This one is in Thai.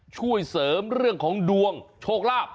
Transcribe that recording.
ช่วยเสริมเรื่องของดวงโชคลาภ